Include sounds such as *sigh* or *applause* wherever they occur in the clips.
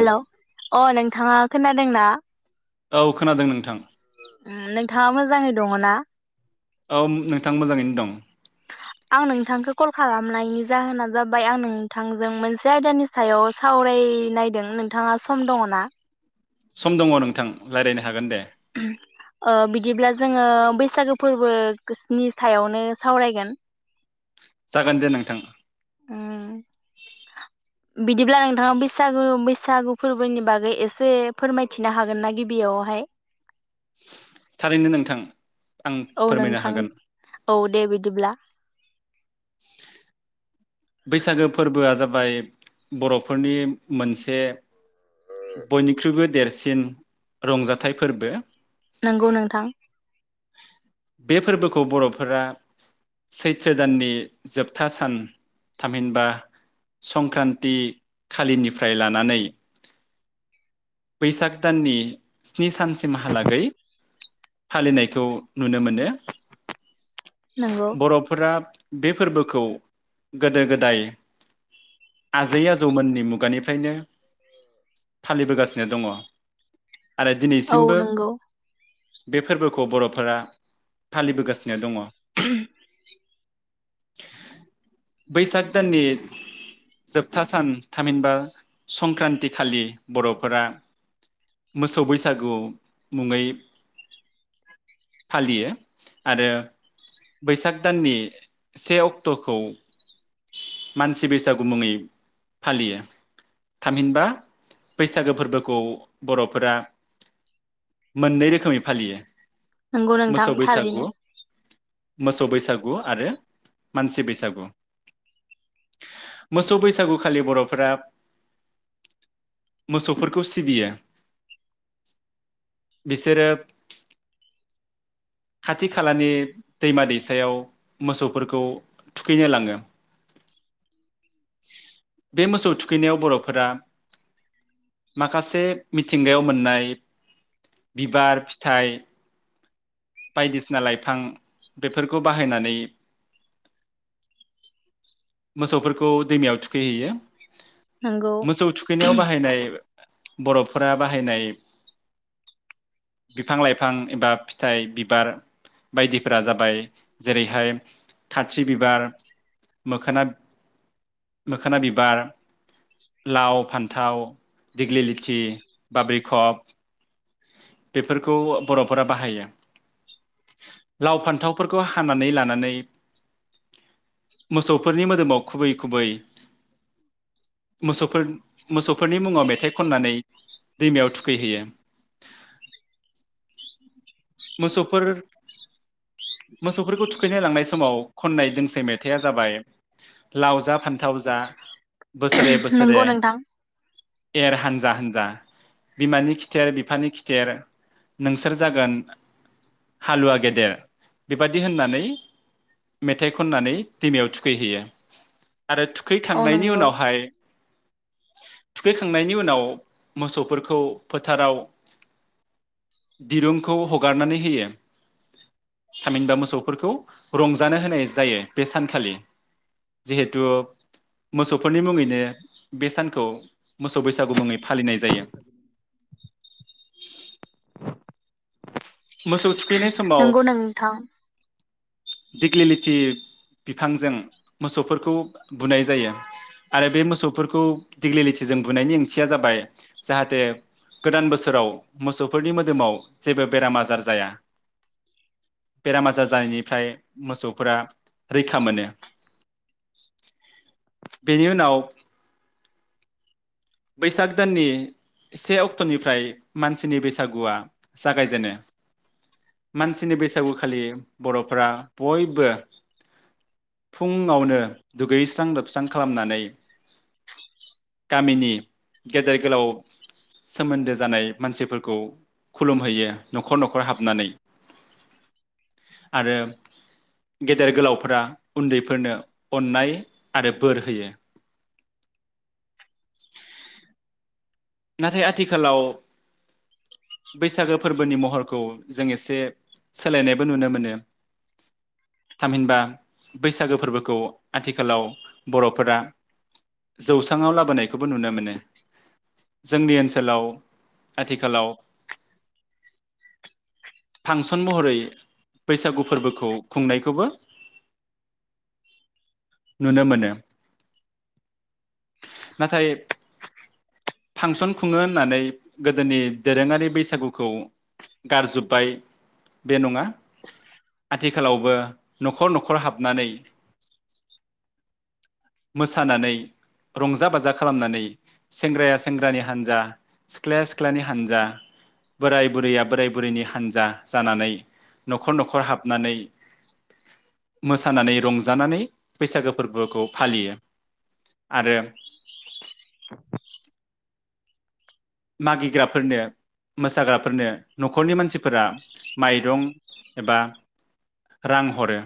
Hello अ नोंथाङा खोनादोंना? औ खोनादों नोंथां। उम नोंथाङा मोजाङै दङ ना? औ नोंथां मोजाङैनो दं। आं नोंथांखौ कल खालामनायनि जाहोना जाबाय आं नोंथांजों मोनसे आयदानि सायाव सावरायनायदों नों नोंथाङा सम दङ ना? सम दङ नोंथां रायज्लायनो हागोन दे। ओ बिदिब्ला जोङो बैसागो फोरबोनि गोस्नि सायावनो सावरायगोन। जागोन दे नोंथां। उम बिदिब्ला नोंथाङा बैसागु बैसागु फोरबोनि बागै एसे फोरमायथिनो हागोनना गिबियावहाय? थारैनो नोंथां आं औ फोरमायनो नोंथां हागोन औ दे बिदिब्ला बैसागो फोरबोआ जाबाय बर'फोरनि मोनसे बयनिख्रुइबो देरसिन रंजाथाइ फोरबो। नंगौ नोंथां बे फोरबोखौ बर'फोरा सैथ्रो दाननि जोबथा सान थामहिनबा संक्रान्ति खालिनिफ्राय लानानै बैसाग दाननि स्नि सानसिमहालागै फालिनायखौ नुनो मोनो नंगौ बर'फोरा बे फोरबोखौ गोदो गोदाय आजै आजौमोननि मुगानिफ्रायनो फालिबोगासिनो दङ। आरो औ दिनैसिमबो नंगौ बे फोरबोखौ बर'फोरा फालिबोगासिनो दङ। बैसाग दाननि जोबथा सान थामहिनबा संक्रान्ति खालि बर' फोरा मोसौ बैसागु मुङै फालियो आरो बैसाग दाननि से अक्ट'खौ मानसि बैसागु मुङै फालियो थामहिनबा बैसागो फोरबोखौ बर'फोरा मोननै रोखोमै फालियो। नंगौ नोंथां मोसौ बैसागु थारैनो मोसौ बैसागु आरो मानसि बैसागु मोसौ बैसागु खालि बर'फोरा मोसौफोरखौ सिबियो बिसोरो खाथि खालानि दैमा दैसायाव मोसौफोरखौ थुखैनो लाङो बे मोसौ थुखैनायाव बर'फोरा माखासे मिथिंगायाव मोननाय बिबार फिथाइ बायदिसिना लाइफां बेफोरखौ बाहायनानै मोसौफोरखौ दैमायाव थुखैहैयो। नंगौ मोसौ थुखैनायाव बाहायनाय बर'फोरा बाहायनाय बिफां लाइफां एबा फिथाइ बिबार बायदिफोरा जाबाय जेरैहाय थारसि बिबार मोखोना मोखोना बिबार लाव फान्थाव दिग्लि लिथि बाग्रिखब बेफोरखौ बर'फोरा बाहायो लाव फान्थावफोरखौ हानानै लानानै मोसौफोरनि मोदोमाव खुबै खुबै मोसौफोर मोसौफोरनि मुङाव मेथाइ खननानै दैमायाव थुखैहैयो। मोसौफोर मोसौफोरखौ थुखैनो लांनाय समाव खननाय दोंसे मेथाइआ जाबाय लाव जा फान्थाव जा बोसोरे बोसोरे नंगौ नोंथां एर हानजा हानजा बिमानि खिथेर बिफानि खिथेर नोंसोर जागोन हालुवा गेदेर बेबादि होननानै मेथाइ खननानै दैमायाव थुखैहैयो। आरो औ थुखैखांनायनि नंगौ उनावहाय थुखैखांनायनि उनाव मोसौफोरखौ फोथाराव दिरुंखौ हगारनानै होयो थामहिनबा मोसौफोरखौ रंजानो होनाय जायो बे सानखालि जिहेथु मोसौफोरनि मुङैनो बे सानखौ मोसौ बैसागु मुङै फालिनाय जायो। मोसौ थुखैनाय नंगौ नोंथां दिग्लि लिथि बिफांजों मोसौफोरखौ बुनाय जायो आरो बे मोसौफोरखौ दिग्लि लिथिजों बुनायनि ओंथिया जाबाय जाहाथे गोदान बोसोराव मोसौफोरनि मोदोमाव जेबो बेराम आजार जाया बेराम आजार जानायनिफ्राय मोसौफोरा रैखा मोनो बेनि उनाव बैसाग दाननि से अक्ट'निफ्राय मानसिनि बैसागुआ जागायजेनो मानसिनि बैसागु खालि बर'फोरा बयबो फुङावनो दुगैस्रां लोबस्रां खालामनानै गामिनि गेदेर गोलाव सोमोन्दो जानाय मानसिफोरखौ खुलुमहैयो न'खर न'खर हाबनानै आरो गेदेर गोलावफोरा उन्दैफोरनो अननाय आरो बोर होयो। *inaudible* नाथाय आथिखालाव बैसागु फोरबोनि महरखौ जों एसे सोलायनायबो नुनो मोनो थामहिनबा बैसागु फोरबोखौ आथिखालाव बर'फोरा जौस्राङाव लाबोनायखौबो नुनो मोनो। जोंनि ओनसोलाव आथिखालाव फांसन महरै बैसागु फोरबोखौ खुंनायखौबो नुनो मोनो। नाथाय फांसन खुङो होननानै गोदोनि दोरोङारि बैसागुखौ गारजोबबाय बे नङा। आथिखालावबो न'खर न'खर हाबनानै मोसानानै रंजा बाजा खालामनानै सेंग्राया सेंग्रानि हान्जा सिख्लाया सिख्लानि हानजा बोराय बुरैया बोराय बुरैनि हानजा जानानै न'खर न'खर हाबनानै मोसानानै रंजानानै बैसागु फोरबोखौ फालियो आरो *inaudible* मागिग्राफोरनो मोसाग्राफोरनो न'खरनि मानसिफोरा माइरं एबा रां हरो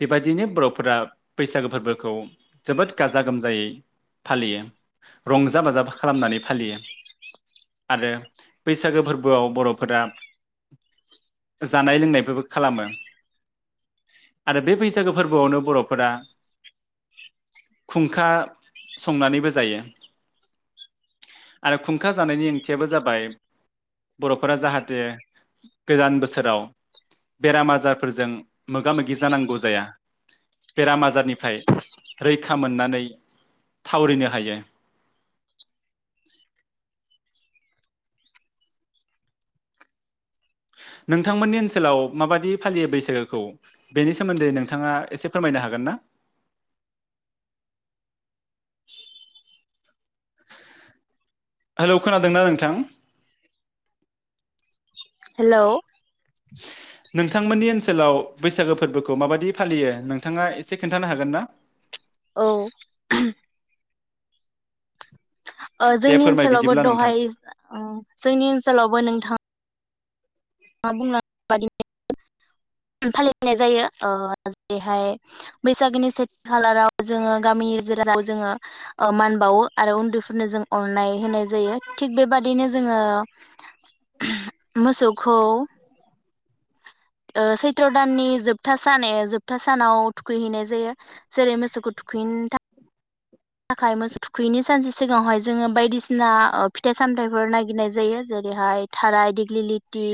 बेबाय दिनो बर'फोरा बैसागु फोरबोखौ जोबोद गाजा गोमजायै फालियो। रंजा-बाजा खालामनानै फालियो आरो बैसागु फोरबो आव बर'फोरा जानाय लोंनाय फोरबो खालामो, आरो बे बैसागो फोरबो आवनो बर' फोरा खुंखा संनानैबो जायो। आरो खुंखा जानायनि ओंथियाबो जाबाय बर'फोरा जाहाथे गोदान बोसोराव बेराम आजार फोरजों मोगा मोगि जानांगौ जाया बेराम आजार निफ्राय रैखा मोननानै थावरिनो हायो। *inaudible* नोंथां मोननि ओनसोलाव माबादि फालियो बैसागुखौ बेनि सोमोन्दै नोंथाङा एसे फोरमायनो हागोन ना? हेल' खोनादोंना नोंथां? हेल' नोंथां मोननि ओनसोलाव बैसागु फोरबोखौ माबायदि फालियो नोंथाङा एसे खोन्थानो हागोन ना? औ *inaudible* *inaudible* ओ दे जोंनि फोरमाय ओनसोलावबो बिदिब्ला नोंथां दहाय ओ जोंनि ओनसोलावबो नोंथां ङा बुंलां बादि *unintelligible* फालिनाय जायो ओ जेरैहाय बैसागुनि सेथि खालाराव जोङो गामिनि रायजो राजाखौ मान बावो आरो उन्दैफोरनो जोङो अननाय होनाय जायो थिग बेबादिनो जोङो *unintelligible* मोसौ खौ ओ सैथ्र दाननि जोबथा सान ए जोबथा सानाव थुखै हैनाय जायो। जेरै मोसौखौ थुखैैनो थाखाय थाखाय मोसौ थुखैयैनि सानसे सिगाङाव हाय जोङो बायदिसिना फिथाइ सामथाइ फोर नायगिरनाय जायो जेरैहाय थाराय दिग्लि लिथि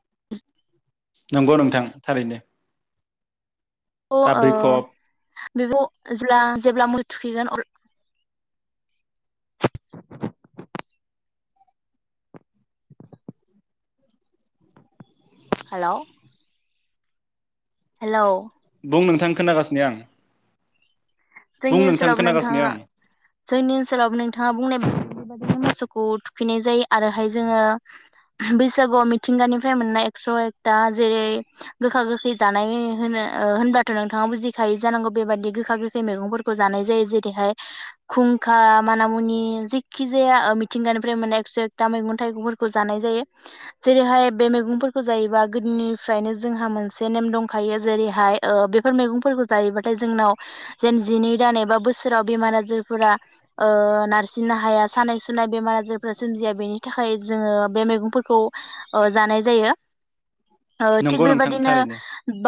*unintelligible* नंगौ नोंथां थारैनो। अ ओ बाब्रैखब बिब *unintelligible* ला जेब्ला *unintelligible* थुखैगोन अ हेल' हेल' बुं नोंथां खोनागासिनो आं। बुं जोंनि नोंथां ओनसोलावबो खोनागासिनो नोंथाङा आं जोंनि ओनसोलावबो नोंथाङा बुंनाय *unintelligible* मोसौखौ थुखैनाय जायो आरोहाय जोङो बैसागु आव मिथिंगा निफ्राय मोननाय एकस' एकथा जेरै गोखा गोखै जानाय होनो होनबाथ' नोंथाङा बुजिखायो जानांगौ बेबादि गोखा गोखै खै मैगं फोरखौ जानाय जायो जेरैहाय खुंखा, माना-मुनि, जिखि जाया मिथिंगा निफ्राय मोननाय एकस' एकता मैगं थाइगं फोरखौ जानाय जायो जेरैहाय बे मैगं फोरखौ जायोबा गोदोनि फ्रायनो जोंहा मोनसे नेम दंखायो जेरैहाय ओ बेफोर मैगंफोरखौ जायोबाथाय जोंनाव जेन जिनै दान एबा बोसोराव बेमार आजार फोरा ओ नारसिननो हाया, सानाय सुनाय बेमार आजार फोरा सोमजिया बेनि थाखाय जोङो बे मैगं फोरखौ ओ जानाय जायो। ओ थिग नंगौ नोंथां बेबादिनो थारैनो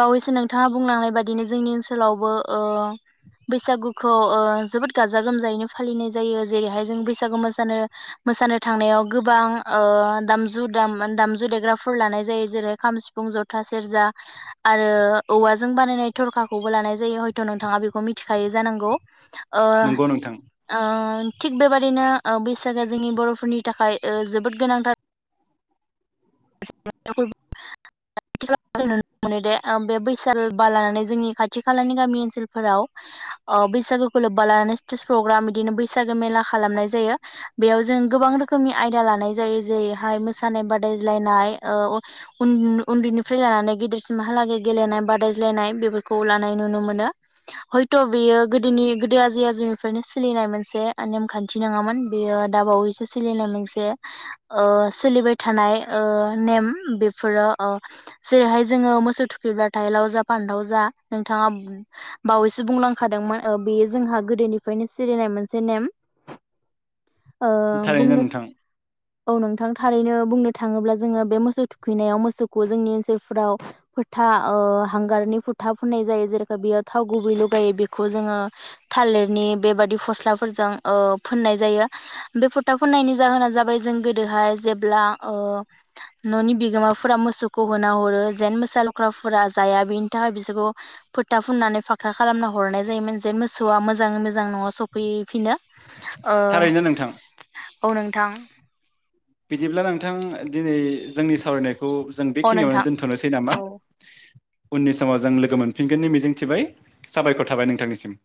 बावैसो बिथाङा बुंलांनाय बादिनो जोंनि ओनसोलावबो ओ बैसागुखौ ओ जोबोद गाजा गोमजायैनो फालिनाय जायो जेरैहाय जों बैसागु मोसानो मोसानो थांनायाव गोबां ओ दामजु दाम दामजु देग्राफोर लानाय जायो जेरै खाम, सिफुं, जथा, सेरजा आरो औवाजों बानायनाय थरखा खौबो लानाय जायो हयथ' नोंथाङा बेखौ *unintelligible* थिखायो जानांगौ। ओ नंगौ नोंथां ओ थिग बेबादिनो ओ बैसागआ जोंनि बर'फोरनि थाखाय ओ जोबोद गोनांथार *unintelligible* ओ बे बैसागो बा लानानै जोंनि खाथि खालानि गामि ओनसोलाव फोराव ओ बैसागोखौ लोब्बा लानानै स्टेज प्रग्राम बिदिनो बैसागो मेला खालामनाय जायो। बेयाव जों गोबां रोखोमनि आयदा लानाय जायो जेरैहाय मोसानाय बादायज्लायनाय ओ उन उन्दै निफ्राय लानानै गेदेरसिम हालागै गेलेनाय बादाय ज्लायनाय बेफोरखौ लानाय नुनो मोनो। हयथ' थ' बेयो गोदोनि गोदो आजै आजौ निफ्रायनो सोलिनाय मोनसे नेमखान्थि नङामोन, बेयो दा बावैसो सोलिनाय मोनसे ओ सोलिबाय थानाय ओ नेम बेफोरो ओ जेरैहाय जोङो मोसौ थुखैब्ला थाइ लाव जा, फान्थाव जा, नोंथाङा बावैसो बुंलां खादोंमोन बेयो जोंहा गोदोनिफ्रायनो सिलिनाय मोनसे नेम। ओ थारैनो बुंनो नोंथां। औ नोंथां थारैनो बुंनो थाङोब्ला जोङो बे मोसौ थुखै नायाव मोसौखौ जोंनि ओनसोल फ्राव ओ फोथा हांगारनि फोथा फुननाय जायो जेरेखा बेयो थाव गुबैल' बेखौ जोङो थालिरनि बेबादि फस्ला फोरजों ओ फोननाय जायो बे फोथा फुननायनि जाहोना जाबाय जों गोदोहाय जेब्ला ओ न'नि बिगोमा फोरा मोसौखौ होना हरो जेन मोसा लख्राफोरा जाया बेनि थाखाय बिसोरखौ फोथा फुननानै फाख्रा खालामना हरनाय जायोमोन जेन मोसौआ मोजाङै मोजां नङा सफै फिनो। थारैनो नोंथां। औ नोंथां बिदिब्ला नोंथां दिनै जोंनि सावरायनाय खौ जों अ बेखिनियावनो नोंथां दोनथ'नोसै नामा? औ उननि समाव जों लोगो मोनफिनगोननि मिजिं थिबाय साबायखर थाबाय नोंथांनिसिम।